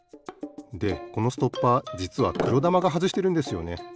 でこのストッパーじつはくろだまがはずしてるんですよね。